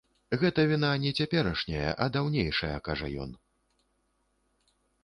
Гэта віна не цяперашняя, а даўнейшая, кажа ён.